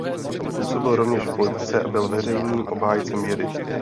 Působil rovněž v politice a byl veřejným obhájcem vědy.